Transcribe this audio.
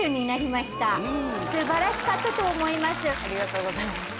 ありがとうございます。